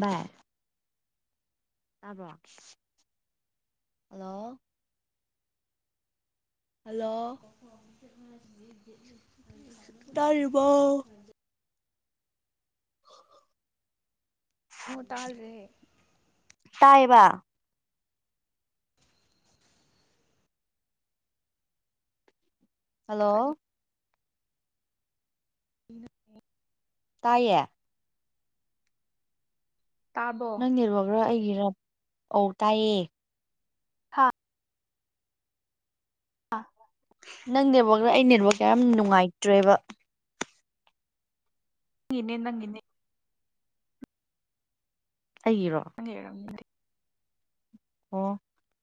ꯚꯏ ꯇꯥꯕ꯭ꯔꯣ hello hello ꯆ ꯇꯥꯔꯤꯕꯣ ꯑꯣ ꯅꯣ ꯇꯥ ꯔꯦ ꯇꯥꯏꯕ ꯍꯜꯂꯣ ꯀꯔꯤꯅꯣ ꯅ ꯇꯌꯦ ꯇꯥꯔꯕꯣ ꯅꯪ ꯏꯔꯔꯕꯒ꯭ꯔꯥ ꯑꯩ ꯔꯞ ꯑꯧ ꯇꯥꯏꯌꯦ ꯍꯥꯥ ꯑ ꯅꯪ ꯅꯦꯕꯅ ꯑꯩ ꯅꯦꯕ ꯀꯌꯥꯝ ꯌꯥꯝ ꯅꯨꯡꯉꯥꯏꯇ꯭ꯔꯦꯕ ꯅꯪꯅꯦ ꯅꯪꯒꯤꯅꯦ ꯑꯩꯒꯤꯔꯣ ꯅꯟꯒꯝ ꯅ ꯑꯣ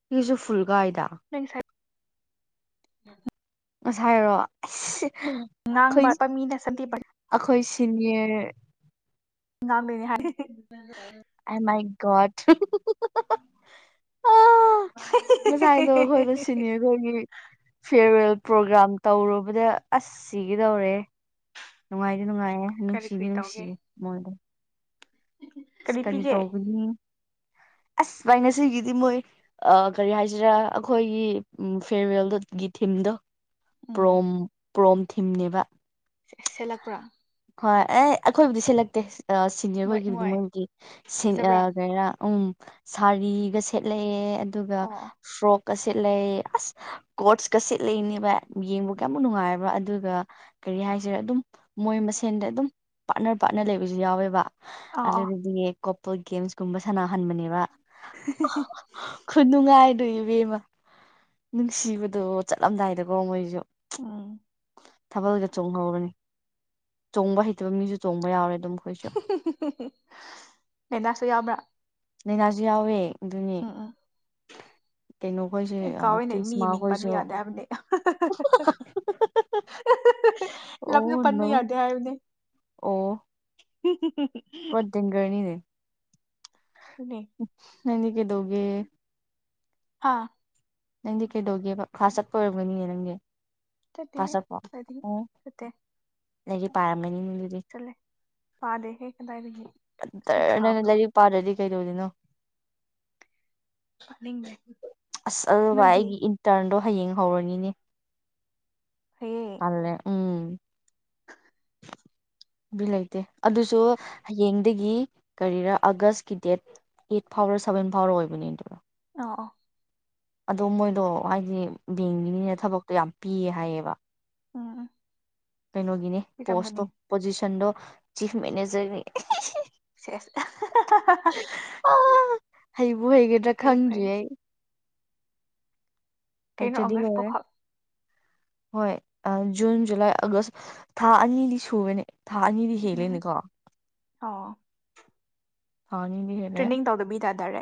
ꯀꯁꯨ ꯐ ꯀꯥꯏꯗ ꯎ ꯉꯁꯥꯏꯔꯣ ꯑ ꯉꯥꯡꯕꯠꯄ ꯃꯤꯅ ꯁꯟꯗꯤꯕꯟ ꯍꯣꯏ ꯁꯤꯅꯤ ꯉꯃꯤꯅꯤ ꯍꯥꯏ ꯑꯥꯏ ꯃꯥꯏ ꯣꯠ ꯑꯥ ꯉꯁꯥꯏꯗꯣ ꯑꯩꯈꯣꯏꯗ ꯁꯤꯅꯤ ꯑꯩꯈꯣꯏꯒꯤ ꯐꯤꯌꯔꯋꯦꯜ ꯄ꯭ꯔꯣꯒ꯭ꯔꯥꯝ ꯇꯧꯔꯨꯕꯗ ꯑꯁ ꯁꯤꯒꯗꯧꯔꯦ ꯅꯨꯡꯉꯥꯏꯇ ꯅꯨꯡꯉꯥꯏꯌꯦꯦ ꯀꯔꯤ ꯅꯨꯡꯁꯤꯕꯤ ꯀꯔꯤ ꯇꯧꯒꯦ ꯅꯨꯡꯁꯤꯕꯤ ꯃꯣꯏꯗꯣ ꯑꯁ ꯀꯔꯤ ꯇꯧꯕꯒꯅꯤ ꯑꯁ ꯚꯥꯏ ꯉꯁꯤꯒꯤꯗꯤ ꯃꯣꯏ ꯀꯔꯤ ꯍꯥꯏꯁꯤꯔꯥ ꯑꯩꯈꯣꯏꯒꯤ ꯎ ꯐꯦꯔꯋꯦꯜ ꯒꯤ ꯊꯤꯝꯗꯣ ꯎꯝ ꯑ꯭ꯔꯣꯝ ꯄ꯭ꯔꯣꯝ ꯊꯤꯝꯅꯦꯕ ꯁꯦꯠꯂꯛꯄ꯭ꯔꯥ ꯍꯣꯏ ꯑꯦ ꯑꯩꯈꯣꯏꯕꯨꯗꯤ ꯁꯤꯜꯂꯛꯇꯦ ꯁꯤꯅꯤꯌꯔ ꯑꯣꯏꯣꯏꯈꯤꯕꯗꯤ ꯃꯣꯏ ꯁꯤ ꯐꯖꯕ꯭ꯔꯥ ꯀꯔ ꯎꯝ ꯁꯥꯔꯤꯒ ꯁꯦꯠꯂꯛꯑꯦ ꯑꯗꯨꯒ ꯑꯣ ꯁ꯭ꯔꯣꯛꯣꯛ ꯀ ꯁꯤꯠꯂ ꯑꯁ ꯀꯣꯆꯀ ꯁꯤꯠ ꯂꯩꯅꯦꯕ ꯌꯦꯡꯕꯒ ꯌꯥꯝꯨꯛ ꯅꯨꯡꯉꯥꯏꯕ ꯑꯗꯨꯒ ꯀꯔꯤ ꯍꯥꯏꯁꯤꯔꯦ ꯑꯗꯨꯝ ꯃꯣꯏ ꯃꯁꯦꯟꯗ ꯑꯗꯨꯝ ꯄꯥꯔꯠꯅꯔ ꯄꯥꯔꯠꯅꯔ ꯂꯩꯕꯁꯨ ꯌꯥꯎꯋꯦꯕ ꯑ ꯑ ꯑꯗꯨꯗꯒꯤ ꯀꯣꯄꯜ ꯒꯦꯝꯁꯀꯨꯝꯕ ꯁꯥꯟꯅꯍꯟꯕꯅꯦꯕ ꯈꯨꯗꯨꯉꯥꯏ ꯑꯗꯨꯒꯤꯕꯦꯝꯃ ꯅꯨꯡꯁꯤꯕꯗꯣ ꯆꯠꯂꯝꯗꯥꯏꯗꯀꯣ ꯃꯣꯏꯁꯨ ꯎꯝ ꯊꯥꯕꯜꯒ ꯆꯣꯡꯍꯧꯔꯅꯤ ꯆꯣꯡꯕ ꯍꯩꯇꯕ ꯃꯤꯁꯨ ꯆꯣꯡꯕ ꯌꯥꯎꯔꯦ ꯑꯗꯨꯝ ꯑꯩꯈꯣꯏꯁꯨ ꯅꯦꯟꯗꯥꯁꯨ ꯌꯥꯕ꯭ꯔꯥ ꯅ ꯅꯖꯤ ꯌꯥꯎꯋꯦ ꯑꯗꯨꯅꯤ ꯀꯩꯅꯣꯈꯣꯏꯁꯨ ꯑꯦ ꯀꯥꯎꯋꯏꯅꯦ ꯃꯤ ꯃꯤꯡ ꯄꯟꯕ ꯇ꯭ꯔꯤꯁꯃꯥꯈꯣꯏꯁꯨ ꯌꯥꯗꯦ ꯍꯥꯏꯕꯅꯦ ꯂꯝꯁꯨ ꯑꯣ ꯄꯟꯕ ꯅꯣ ꯌꯥꯗꯦ ꯍꯥꯏꯕꯅꯦ [inaudible] ꯑꯣ ꯎ ꯀꯣꯏ ꯤꯡꯒꯔꯅꯤꯅꯦ ꯑꯗꯨꯅꯦ ꯎ ꯅꯅꯤ ꯀꯦꯗꯒꯦ ꯑꯥ ꯅꯪꯗꯤ ꯀꯩꯗꯧꯒꯦꯕ ꯈꯥꯁ ꯆꯠꯄ ꯑꯣꯏꯔꯝꯒꯅꯤꯌꯦ ꯅꯪꯒꯤ ꯇꯇ ꯑꯗꯤ ꯀꯇꯦ ꯑꯗꯒꯤ ꯄꯥꯔꯝꯝꯕꯅꯤ ꯎꯦ ꯐꯥꯗꯦ ꯍꯦ ꯀꯗꯥꯏꯔꯤꯒ ꯇꯔ ꯅꯪ ꯂꯥꯏꯔꯤꯛ ꯄꯥꯗꯗꯤ ꯀꯩ ꯇꯣꯗꯅꯣ ꯄꯥꯅꯤꯡꯗꯦ ꯑꯁ ꯑꯗꯨ ꯚꯥꯏ ꯅꯣꯏꯗꯤ ꯑꯩꯒꯤ ꯏꯟꯇꯔꯟꯗꯣ ꯍꯌꯦꯡ ꯍꯧꯔꯅꯤꯅꯦ ꯐꯩꯌꯦ ꯑꯜꯦ ꯑꯝ ꯝ ꯑꯝ ꯂꯩꯇꯦ ꯑꯗꯨꯁꯨ ꯍꯌꯦꯡꯗꯒꯤ ꯀꯔꯤꯔ ꯑꯥꯒꯁꯀꯤ date eight four seven four ꯑꯣꯏꯕꯅꯤ ꯑꯗꯨꯔꯣ ꯑꯣ ꯑꯣ ꯑꯗꯣ ꯃꯣꯏꯗꯣ ꯍꯥꯏꯗꯤ ꯕꯦꯡꯒꯤꯅꯤꯅ ꯊꯕꯛꯇꯣ ꯌꯥꯝ ꯄꯤꯌꯦ ꯍꯥꯏꯌꯦꯕ ꯎꯝ ꯎꯝ ꯀꯩꯅꯣꯒꯤꯅꯦ ꯄꯣꯁꯇꯣ ꯄꯤꯔꯝꯒꯅꯤ ꯄꯣꯖꯤꯁꯟꯗꯣ ꯆꯤꯐ ꯃꯦꯅꯦꯖꯔ ꯁꯤꯌꯦꯁ ꯍꯩꯕꯨ ꯍꯩꯒꯗ꯭ꯔꯥ ꯐꯔꯤ ꯈꯪꯗ꯭ꯔꯤ ꯐꯔ ꯑꯩ ꯇꯔ ꯍꯩꯇ꯭ꯔꯗꯤ ꯑꯒꯁ ꯂꯣꯏꯔꯦ ꯄꯈꯛ ꯍꯣꯏ ꯖꯨꯟ ꯖꯨꯂꯥꯏ ꯑꯥꯒꯁ ꯊꯥ ꯑꯅꯤꯗꯤ ꯁꯨꯕꯅꯦ ꯊꯥꯅꯤꯗꯤ ꯎꯝ ꯍꯦꯂꯦꯅꯤꯀꯣ ꯑꯣ ꯊꯥꯅꯤꯕꯤ ꯍꯂ ꯇꯔꯦ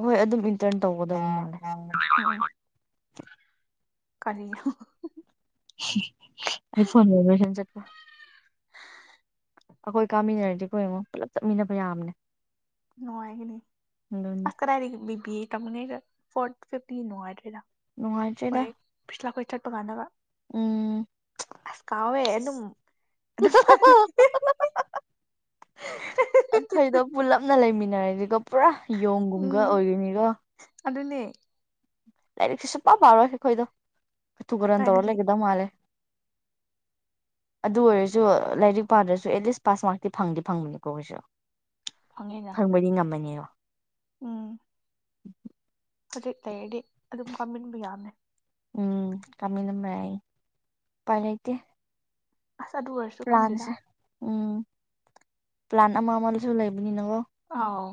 ꯍꯣꯏ ꯑꯗꯨꯝ ꯏꯟꯇꯔꯟ ꯇꯧꯒꯗꯕ ꯃꯥ ꯑ ꯎꯝ ꯎꯝ ꯀꯔꯤ ꯑꯩ ꯐꯣꯟꯣꯟ ꯋꯥꯕꯁꯖꯒ ꯑꯩꯈꯣꯏ ꯀꯥꯃꯤꯟꯅꯔꯗꯤ ꯀꯣ ꯌꯦꯡꯉꯣ ꯄꯨꯂꯞ ꯆꯠꯃꯤꯟꯅꯕ ꯌꯥꯝꯅꯦ ꯅꯨꯡꯉꯥꯏꯒꯅꯤ ꯑꯁ ꯀꯗꯥꯏ ꯗꯩꯩ ꯕꯤꯕꯤ ꯇꯃꯉꯩꯗ ꯐꯣꯔ ꯐꯤꯐꯇꯤ ꯅꯨꯡꯉꯥꯏꯇ꯭ꯔꯦꯗ ꯅꯨꯡꯉꯥꯏꯇ꯭ꯔꯦꯗ ꯍꯣꯏ ꯄꯁꯂ ꯀꯣꯏ [inaudible] ꯆꯠꯄꯀꯥꯟꯅꯒ ꯎꯝ ꯑꯗꯨꯝ ꯑꯗꯨꯝ ꯄꯜꯂꯦ ꯌꯥꯡꯈꯩꯗꯣ ꯄꯨꯂꯞꯅ ꯂꯩꯃꯤꯟꯅꯩ ꯅꯔꯟ ꯀꯣ ꯄꯨꯔꯥ ꯌꯣꯡꯒꯨꯝꯒ ꯎꯝ ꯑꯣꯏꯔꯤꯅꯤꯀꯣ ꯑꯗꯨꯅꯦ ꯂꯥꯏꯔꯤꯛꯁꯨ ꯁꯨꯡ ꯄ ꯄꯥꯔꯣꯏ ꯑꯩꯈꯣꯏꯗꯣ ꯀꯇꯨ ꯀꯔꯟ ꯇꯧꯔ ꯀꯗꯥꯏꯗꯒꯤ ꯂꯩꯒꯗꯧ ꯃꯥꯂꯦ ꯑꯗꯨ ꯑꯣꯏꯔꯁꯨ ꯂꯥꯏꯔꯤꯛ ꯄꯥꯗ꯭ꯔꯁꯨ ꯑꯦꯠꯂꯤꯁ ꯄꯥꯁ ꯃꯥꯔꯇꯤ ꯐꯪꯗꯤ ꯐꯪꯕꯅꯤꯀꯣ ꯑꯣꯏꯁꯨ꯫ ꯐꯪꯉꯦꯅ ꯐꯪꯕꯗꯤ ꯉꯝꯃꯅꯦꯌꯣ ꯎꯝ ꯍꯧꯖꯤꯛ ꯂꯩꯔꯗꯤ ꯑꯗꯨꯝ ꯀꯥꯃꯤꯟꯕ ꯌꯥꯃꯦ ꯎꯝ ꯀꯃꯤꯟꯅ ꯃꯥꯏ ꯄꯥꯏꯂꯩꯇꯦ ꯑꯁ ꯑꯗꯨ ꯑꯣꯏꯔꯁꯨ ꯈꯪꯗꯦꯗ ꯎꯝ ꯄ꯭ꯂꯥꯟ ꯑꯃ ꯑꯃꯗꯨꯁꯨ ꯂꯩꯕꯅꯤꯅꯉꯣ ꯑꯥꯎ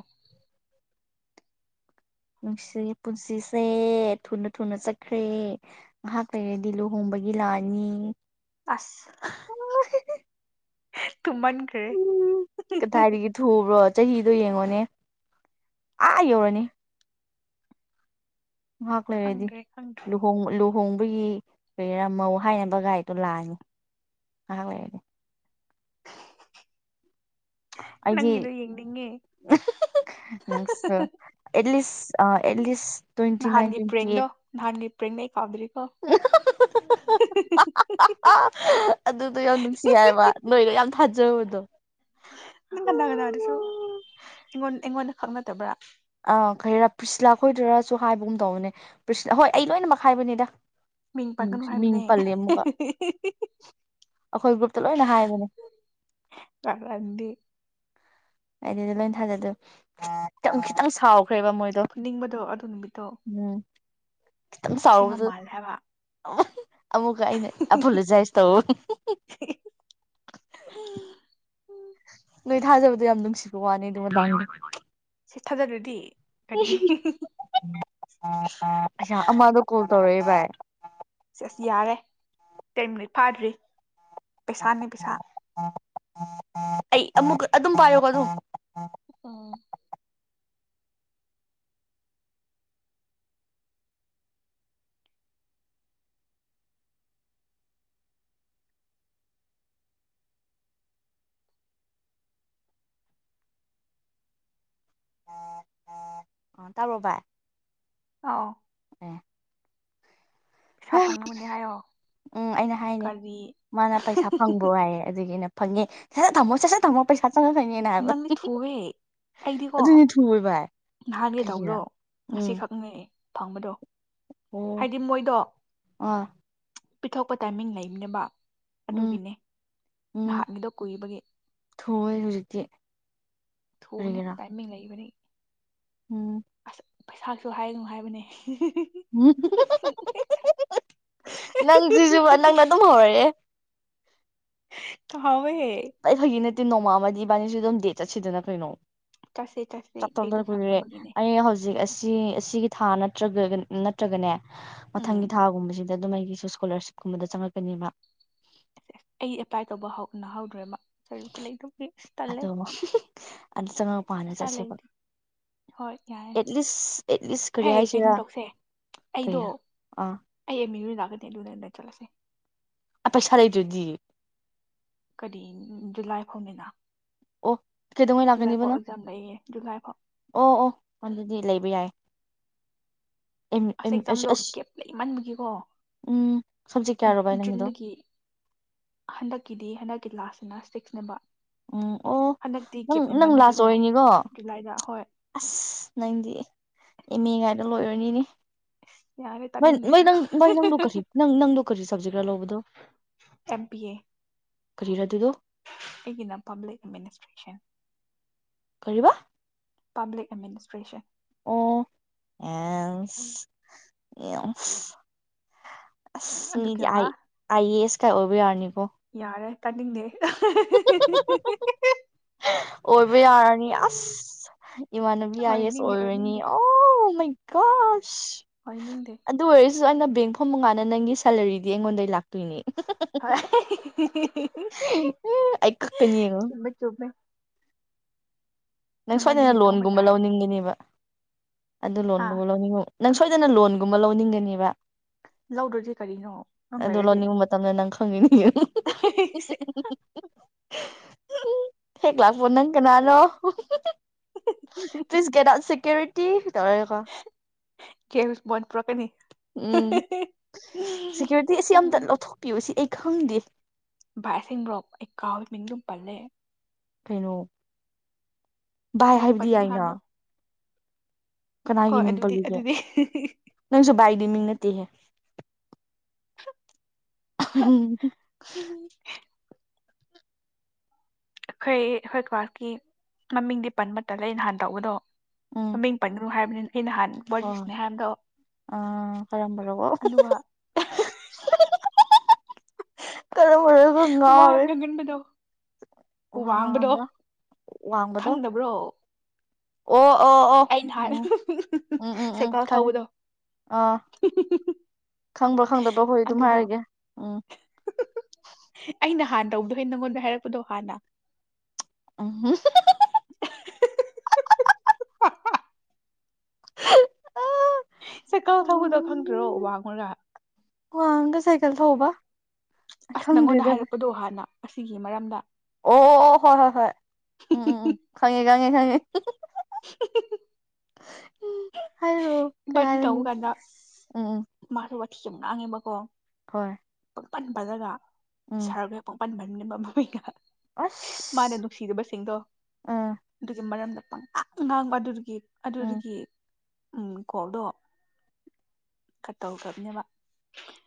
ꯅꯨꯡꯁꯤ ꯄꯨꯟꯁꯤꯁꯦ ꯊꯨꯅ ꯊꯨꯅ ꯆꯠꯈ꯭ꯔꯦ ꯉꯥꯏꯍꯥꯛ ꯂꯩꯔꯗꯤ ꯂꯨꯍꯣꯡꯕꯒꯤ ꯂꯥꯅꯤ ꯑꯁ ꯇꯨꯃꯟ ꯈꯥꯔꯦ ꯀꯗꯥꯏꯗꯒꯤ ꯊꯨꯕ꯭ꯔꯣ ꯆꯍꯤꯗꯣ ꯌꯦꯡꯉꯣꯅꯦ ꯑꯥ ꯌꯧꯔꯅꯤ ꯉꯍꯥꯥꯛ ꯂꯩꯔꯗꯤ ꯈꯪꯗ꯭ꯔꯦ ꯈꯪꯗ꯭ꯔꯦ ꯂꯨꯍꯣꯡ ꯂꯨ ꯂꯨꯍꯣꯡꯕꯒꯤ ꯀꯩꯔꯥ ꯃꯧ ꯍꯥꯏꯅꯕ ꯒꯥꯔꯤꯗꯣ ꯂꯥꯛꯑꯅꯤ ꯉꯥꯏꯍꯥꯛ ꯑꯣꯏꯔꯦ [inaudible] ꯑꯩꯗꯤ ꯅꯪꯒꯤꯗꯣ ꯌꯦꯡꯅꯤꯡꯉꯦ ꯅ at least at least twenty nine twenty eight ꯑꯥ꯭ꯛ ꯑꯗꯨꯗꯣ ꯌꯥꯝ ꯅꯨꯡꯁꯤ ꯍꯥꯏꯕ ꯅꯣꯏꯒ ꯌꯥꯝ ꯊꯥꯖꯩ ꯆꯠꯆꯕꯗꯣ ꯅꯪ ꯀꯅꯥ ꯀꯅꯥꯗꯁꯨ ꯑꯩꯉꯣꯟ ꯑꯩꯉꯣꯟꯗ ꯈꯛ ꯅꯠꯇꯕ꯭ꯔꯥ ꯑ ꯈꯩꯔꯥ ꯄ꯭ꯔꯤꯁꯂꯥ ꯈꯣꯏꯗꯔꯁꯨ ꯍꯥꯏꯕꯒꯨꯝ ꯇꯧꯕꯅꯦ ꯄ꯭ꯔꯤꯁꯂꯥ ꯍꯣꯏ ꯑꯩ ꯂꯣꯏꯅꯃꯛ ꯍꯥꯏꯕꯅꯤꯗ ꯃꯤꯡ ꯄꯟꯒꯅꯨ ꯃꯤꯡ ꯍꯥꯏꯕꯅꯦ ꯄꯜꯂꯦ ꯑꯃꯨꯛꯀ ꯑꯩꯈꯣꯏ ꯒ꯭ꯔꯨꯞꯇ ꯂꯣꯏꯅ ꯍꯥꯏꯕꯅꯦ ꯀꯥꯔꯟꯗꯤ ꯍꯥꯏꯗꯤ ꯂꯣꯏ ꯊꯥꯖꯗ ꯈꯤꯇꯪ ꯈꯤꯇꯪ ꯁꯥꯎ ꯈ꯭ꯔꯦꯕ ꯃꯣꯏꯗꯣ ꯐꯨꯅꯤꯡꯕꯗꯣ ꯑꯗꯨ ꯅꯨꯃꯤꯠꯇꯣ ꯎꯝ ꯈꯤꯇꯪ ꯑꯁꯦꯡꯕ ꯁꯥꯎꯕꯗꯨ ꯃꯥꯜꯂꯦ ꯍꯥꯏꯕ ꯑꯃꯨꯛꯀ ꯑꯩꯅ ꯑꯄꯨꯂꯨꯖꯥꯏꯁ ꯇꯧꯑꯣ ꯅꯣꯏ ꯊꯥꯖꯕꯗꯣ ꯌꯥꯝ ꯅꯨꯡꯁꯤꯕ ꯋꯥꯅꯤ ꯑꯗꯨ ꯁꯤ ꯊꯥꯖꯗꯔꯗꯤ ꯑꯋꯥ ꯑꯃꯥꯗꯣ ꯀꯣꯜ ꯇꯧꯔꯦ ꯚꯥꯏ ꯑꯁ ꯌꯥꯔꯦ ꯇꯦꯟ ꯃꯤꯅꯤꯠ ꯐꯥꯗ꯭ꯔꯤ ꯄꯩꯁꯥꯅꯦ ꯄꯦꯁꯥ ꯑꯩ ꯑꯃꯨꯛ ꯑꯗꯨꯝ ꯄꯥꯏꯌꯣ ꯑꯗꯨꯝ ꯎꯝ ꯑ ꯇꯥꯕꯔꯣ ꯚꯥꯏ ꯑꯥꯎ [unintelligible] ꯄꯩꯁꯥ ꯐꯪꯅꯕꯅꯦ ꯍꯥꯏꯌꯣ ꯎꯝ ꯑꯩꯅ ꯍꯥꯏꯅꯦ ꯀꯔꯤ ꯃꯥꯅ ꯄꯩꯁꯥ ꯐꯪꯕꯔꯣ ꯋꯥꯏꯌꯦ ꯑꯗꯨꯒꯤ ꯑꯩꯅ ꯐꯪꯉꯦ ꯁꯁꯠ ꯊꯝꯃꯣ ꯁꯁꯠ ꯊꯝꯃꯣ ꯄꯩꯁꯥ ꯆꯪꯉꯛꯀꯅꯤꯅ ꯍꯥꯏꯕ ꯅꯪꯗꯤ ꯊꯨꯑꯦ ꯑꯩꯗꯤꯀꯣ ꯑꯗꯨꯅꯤ ꯊꯨꯋꯦ ꯚꯥꯏ ꯅꯍꯥꯟꯒ ꯀꯩꯒꯤꯔꯥ ꯇꯧꯕꯂꯣ ꯎꯝ ꯉꯁꯤꯈꯛꯅꯦ ꯐꯪꯕꯗꯣ ꯍꯥꯏꯗꯤ ꯃꯣꯏꯗꯣ ꯑ ꯄꯤꯊꯣꯛꯄ ꯇꯥꯏꯃꯤꯡ ꯂꯩꯕꯅꯦꯕ ꯎꯝ ꯑꯗꯨꯒꯤꯅꯦ ꯎꯝ ꯅꯍꯥꯛꯅꯤꯗꯣ ꯀꯨꯏꯕꯒ ꯊꯨꯋꯦ ꯍꯧꯖꯤꯛꯇꯤ ꯊꯨꯕꯅꯦ ꯀꯔꯤꯒꯤꯔꯥ ꯇꯥꯏꯃꯤꯡ ꯂꯩꯕꯅꯦ ꯎꯝ ꯄꯩꯁꯥꯁꯨ ꯍꯥꯏꯅꯨ ꯍꯥꯏꯕꯅꯦ ꯅꯪ ꯁꯤꯁꯨ ꯅꯪꯅ ꯑꯗꯨꯝ ꯍꯧꯔꯦ ꯍꯥꯎ ꯍ ꯍꯦ ꯇꯤꯟ ꯅꯣꯡꯃ ꯑꯃꯗꯤ ꯏꯕꯥꯅꯤꯁꯨ ꯑꯗꯨꯝ ꯗꯦꯠ ꯆꯠꯁꯤꯗꯅ ꯀꯩꯅꯣ ꯆꯠꯁꯦ ꯆꯠꯁꯦ ꯆꯠꯇꯕꯥ ꯑꯩꯗꯣ ꯁꯨ ꯁꯪꯅꯕꯒꯤꯅꯦ ꯀꯨꯏꯔꯦꯑꯩ ꯍꯧꯖꯤꯛ ꯁꯤ ꯑꯁꯤꯒꯤ ꯊꯥ ꯅꯠꯇ꯭ꯔꯒ ꯅꯠꯇ꯭ꯔꯒꯅꯦ ꯃꯊꯪꯒꯤ ꯎꯝ ꯊꯥꯒꯨꯝꯕꯁꯤ ꯑꯗ ꯑꯗꯨꯝ ꯑꯩꯒꯤꯁꯨ ꯏꯁꯀꯣꯂꯥꯔꯁꯤꯞꯀꯨꯝꯕꯗ ꯆꯪꯉꯛꯀꯅꯦꯕ ꯑꯩ ꯑꯦꯄ꯭ꯂꯥꯏ ꯇꯧꯕ ꯍꯧꯅꯍꯧꯗ꯭ꯔꯦꯕ ꯁ ꯂꯩꯗꯨꯒꯤ ꯇꯜꯂꯦ ꯑꯗꯣ ꯑꯗꯨ ꯆꯪꯉꯛꯄ ꯍꯥꯟꯅ ꯄꯩꯁꯥ ꯆꯠꯁꯦꯕ ꯂꯩꯗꯦ ꯍꯣꯏ ꯌꯥꯔꯦ ꯑꯦꯠꯂꯤꯁ ꯑꯦꯠꯂꯤꯁ ꯍꯦ ꯀꯔꯤ ꯀꯩꯅꯣ ꯍꯥꯏꯁꯤꯔꯥ ꯇꯧꯁꯦ ꯑꯩꯗꯣ ꯀꯔꯤꯔꯥ ꯑꯥ ꯑꯩ ꯑꯦꯝꯃꯤꯔꯨꯗꯥꯛ ꯑꯗꯨ ꯆꯂꯁꯦ ꯑꯄꯦ ꯁꯔꯦꯗꯨꯗꯤ ꯀꯔꯤ ꯖꯨꯂꯥꯏ ꯈꯣꯅꯤꯅ ꯑꯣ ꯀꯩꯗꯧꯉꯩ ꯂꯥꯛꯀꯅꯤꯕꯅꯣ ꯂꯩꯌꯦ ꯖꯨꯂꯥꯏ ꯐꯥꯎ ꯑꯣ ꯑꯣ ꯑꯗꯨꯗꯤ ꯂꯩꯕ ꯌꯥꯏ ꯑꯦꯝ ꯑꯁ ꯑꯦꯝ ꯑꯦꯛꯖꯥꯝꯗꯣ ꯑꯁ ꯒꯦꯞ ꯂꯩꯃꯟꯕꯒꯤꯀꯣ ꯎꯝ ꯁꯕꯖꯦꯛ ꯀꯌꯥꯔꯣ ꯚꯥꯏ ꯅꯪꯒꯤꯗꯣ ꯖꯨꯟꯗꯒꯤ ꯍꯟꯗꯛꯀꯤꯗꯤ ꯍꯟꯗꯛꯀꯤ ꯂꯥꯁ ꯖꯤꯞꯅꯥꯁꯇꯤꯛꯁꯅꯦꯕ ꯎꯝ ꯑꯣ ꯍꯟꯗꯛꯇꯤ ꯅꯪ ꯅꯪ ꯂꯥꯁ ꯀꯦꯞꯅꯦꯦꯝꯃꯟꯕꯒꯤꯦꯀꯣ ꯑꯣꯏꯔꯅꯤꯀꯣ ꯖꯨꯂꯥꯏꯗ ꯍꯣꯏ ꯑꯁ ꯅꯪꯗꯤ ꯑꯦꯝ ꯑꯦ ꯉꯥꯏꯅ ꯂꯣꯏꯔꯅꯤꯅꯦ ꯑꯁ ꯌꯥꯔꯦ ꯇꯥꯅꯤꯡꯗꯦ ꯑꯗꯨ ꯃꯩ ꯅꯪꯗꯣ ꯀꯁꯤ ꯅꯪ ꯅꯪꯗꯣ ꯀꯁꯤ ꯁꯕꯖꯦꯛ ꯈꯔ ꯂꯧꯕꯗꯣ ꯀꯔꯤꯔ ꯑꯗꯨꯗꯣ ꯑꯩꯅ ꯄꯕꯂꯤꯛ ꯑꯗꯃꯤꯤꯟꯤꯁꯇ꯭ꯔꯦꯁꯟ ꯀ ꯑꯦꯗꯃꯤꯅꯤꯁꯇ꯭ꯔꯦꯁꯟ ꯑꯣ ꯑꯦ ꯑꯦ ꯑꯁ ꯑꯗꯨꯒ ꯑꯥꯏ ꯑꯦ ꯑꯦꯁ ꯀ ꯑꯣꯏꯕꯤ ꯌꯥꯔꯅꯤ ꯀꯣ ꯄꯅꯤꯡꯅꯦꯦ ꯑꯣꯏꯕ ꯌꯥꯔꯅꯤ ꯑꯁ ꯏꯃꯥꯟꯅꯕꯤ ꯑꯥꯏ ꯑꯦꯁ ꯑꯣꯏꯅꯤꯡꯗꯦ ꯑꯣꯏꯔꯅꯤ ꯑꯣꯏꯅꯤꯡꯗꯦ ꯑꯣ ꯃꯩ ꯀ ꯑ ꯑꯣꯏꯅꯤꯡꯗꯦ ꯑꯗꯨ ꯑꯣꯏꯔꯁꯨ ꯑꯩꯅ ꯕꯦꯡ ꯐꯐꯝ ꯃꯉꯥꯅ ꯅꯪꯒꯤ ꯁꯦꯂꯔꯤꯗꯤ ꯑꯩꯉꯣꯟꯗ ꯂꯥꯛꯀꯦ ꯑꯩ ꯀꯛꯀꯅꯤ ꯌꯦꯡꯉꯣ ꯆꯨꯝꯃꯦ ꯆꯨꯝꯃꯦ ꯅꯪ ꯅꯪꯉꯣꯟꯗꯒꯤ ꯁꯣꯏꯗꯅ ꯂꯧꯕ ꯂꯣꯟꯒꯨꯝꯕ ꯇꯥꯔꯦ ꯂꯧꯅꯤꯡꯒꯅꯦꯕ ꯑꯗꯨ ꯍꯥ ꯂꯣꯟꯣꯅꯤ ꯅꯪ ꯁꯣꯏꯗꯅ ꯂꯣꯟꯒꯨꯝꯕ ꯂꯧꯅꯤꯡꯒꯅꯦꯕ ꯂꯥꯎꯗ꯭ꯔꯗꯤꯦ ꯀꯥꯔꯤꯅꯣ ꯅꯪ ꯂꯩꯥꯏꯔꯗꯤ ꯐꯪꯅꯤ ꯊꯦꯛꯒ ꯂꯥꯛꯛꯕꯣ ꯅꯒꯅꯅꯣ ꯐꯤꯁꯒꯦꯔ ꯁꯀ꯭ꯌꯔꯤꯇꯤ ꯀꯦ ꯃꯟ ꯄ꯭ꯔꯔꯣꯀꯦꯅꯤ ꯎꯝ ꯁꯦꯀ꯭ꯌꯨꯔꯤꯇꯤ ꯑꯁꯤ ꯎꯝ ꯑꯝꯇ ꯂꯧꯊꯣꯛꯄꯤꯌꯨꯁ ꯁꯤ ꯑꯩ ꯈꯪꯗꯦ ꯚꯥꯏꯁꯤꯡꯕ꯭ꯔꯣꯞ ꯑꯩ ꯀꯥꯎꯏ ꯃꯤꯡꯗꯨ ꯄꯜꯂꯦ ꯀꯩꯅꯣ ꯚꯥꯏ ꯃꯤꯡ ꯍꯥꯏꯕꯗꯤ ꯄꯟꯒꯅꯨ ꯌꯥꯏꯅ ꯍꯥꯏꯕꯗꯣ ꯀꯅꯥꯒꯤ ꯍꯣꯏ ꯃꯤꯡ ꯑꯗꯨꯗꯤ ꯄꯜꯂꯤꯒꯦ ꯑꯗꯨꯗꯤ ꯅꯪꯁꯨ ꯕꯥꯏꯗꯤ ꯃꯤꯡ ꯅꯠꯇꯦꯍꯦ ꯎꯝ ꯑꯩꯈꯣꯏ ꯑꯩꯈꯣꯏ ꯀ꯭ꯂꯥꯁꯀꯤ ꯃꯃꯤꯡꯗꯤ ꯄꯟꯕꯇ ꯂꯩ ꯅꯍꯥꯟ ꯇꯧꯕꯗꯣ ꯎꯝ ꯃꯃꯤꯡ ꯄꯟꯒ꯭ꯔꯨ ꯍꯥꯏꯕꯅꯤꯅ ꯑꯩ ꯅꯍꯥꯟ ꯋꯥꯔꯤ ꯍꯣꯏ ꯁꯥꯟꯅꯩ ꯍꯥꯏꯕꯗꯣ ꯑ ꯈꯔꯝꯕ ꯂꯣꯔꯕꯣ ꯑꯗꯨꯒ ꯋꯥ ꯉꯒꯟꯕꯗꯣ ꯋꯥ ꯋꯥꯡꯕꯗꯣ ꯉꯥꯡꯒꯟꯗ ꯋꯥꯡꯕꯗꯣ ꯈꯪꯗꯕ꯭ꯔꯣ ꯑꯣ ꯑꯣ ꯑꯣ ꯑꯩꯅ ꯎꯝ ꯍꯥꯟꯅ ꯎꯝ ꯎꯝ ꯎꯝ ꯁꯩꯀꯥꯎꯜ ꯈꯪꯉꯦ ꯊꯧꯕꯗꯣ ꯑꯥ ꯈꯪꯕ꯭ꯔꯥ ꯈꯪꯗꯕ꯭ꯔꯥ ꯍꯣꯏ ꯑꯗꯨꯝ ꯑꯗꯨꯗꯣ ꯍꯥꯏꯔꯒꯦ ꯎꯝ ꯑꯩꯅ ꯍꯥꯟꯅ ꯇꯧꯕꯗꯣ ꯍꯦ ꯅꯪꯉꯣꯟꯗ ꯍꯥꯏꯔꯛꯄꯗꯣ ꯍꯥꯟꯅ ꯎꯝ [inaudible] ꯁꯦꯀꯜ ꯊꯧꯕꯗꯣ ꯈꯪꯗ꯭ꯔꯣ ꯋꯥꯡꯉꯨꯔꯥ ꯍꯒ ꯁꯥꯏꯀꯜ ꯊꯧꯕ ꯑꯁ ꯅꯪꯉꯣꯟꯗ ꯈꯪꯗ꯭ꯔꯤꯗꯗ ꯚꯥꯢ ꯍꯥꯏꯔꯛꯄꯗꯣ ꯍꯥꯟꯅ ꯑꯁꯤꯒꯤ ꯃꯔꯝꯗ ꯑꯣ ꯍꯣꯏ ꯍꯣꯏ ꯍꯣꯏ ꯎꯝ ꯎꯝ ꯈꯪꯉꯦ ꯈꯪꯉꯦ ꯈꯪꯉꯦ [unintelligible] [unintelligible] [unintelligible] ꯀꯩ ꯅꯪ ꯍꯥꯏꯔꯅꯤ ꯇꯧꯕ ꯀꯥꯟꯗ ꯎꯝ ꯎꯝ ꯃꯥ [unintelligible] ꯉꯦꯕꯀꯣ ꯍꯣꯏ꯫ [unintelligible] [unintelligible] ꯎꯝ [unintelligible] ꯃꯥꯅ ꯑꯁ ꯅꯨꯡꯁꯤꯗꯕꯁꯤꯡꯗꯣ ꯑꯥ ꯑꯗꯨꯖꯨ ꯃꯔꯝ ꯂꯩ꯫ ꯄꯡꯉꯥꯡꯥꯇ ꯉꯥꯡꯕ ꯑꯗꯨꯗꯨꯒꯤ ꯎꯝ ꯑꯗꯨꯗꯒꯤ ꯎꯝ꯫ ꯀꯣꯜꯗꯣ ꯈꯔ ꯇꯧꯈ꯭ꯔꯕꯅꯦꯕ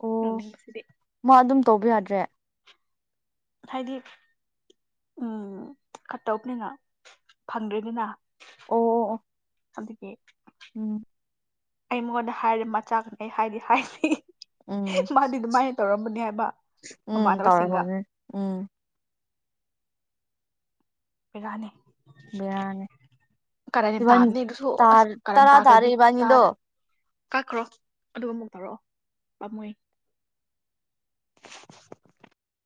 ꯑꯣ ꯅꯣꯛꯅꯤꯡꯕꯁꯤꯗꯤ ꯃꯥ ꯑꯗꯨꯝ ꯇꯧꯕ ꯌꯥꯗ꯭ꯔꯦ꯫ ꯍꯥꯏꯗꯤ ꯎꯝ ꯈꯠꯇꯧꯅꯤꯅ ꯐꯪꯗ꯭ꯔꯦꯗꯅ꯫ ꯑꯣ꯫ ꯑꯗꯒꯤ ꯎꯝ ꯑꯩ ꯃꯉꯣꯟꯗ ꯍꯥꯏꯔꯦ ꯃꯆꯥ [unintelligible] ꯑꯩ ꯍꯥꯏꯗꯤ ꯍꯥꯏꯅꯤ ꯎꯝ ꯎꯝ ꯎꯝ ꯎꯝ ꯃꯃꯥꯟꯅꯕꯁꯤꯡꯒ ꯇꯧꯔꯕꯅꯦ ꯎꯝ [unintelligible] ꯕꯦꯔꯥꯅꯦ ꯀꯔꯟ ꯌꯥꯝ ꯏꯕꯥꯅꯤ ꯇꯥꯕꯅꯦ ꯑꯗꯨꯁꯨ ꯑꯁ ꯀꯔꯟ ꯇꯔꯥ ꯇꯥꯔꯦ ꯇꯥꯈ꯭ꯔꯗꯤ ꯏꯕꯥꯅꯤꯗꯣ ꯈꯨꯇꯥꯗ ꯀꯛꯈ꯭ꯔꯣ꯫ ꯑꯗꯨꯒ ꯑꯃꯨꯛ ꯇꯥꯔꯛꯑꯣ ꯄꯥꯝꯃꯨꯢ꯫